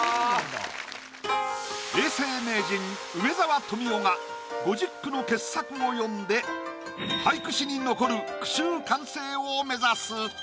永世名人梅沢富美男が５０句の傑作を詠んで俳句史に残る句集完成を目指す。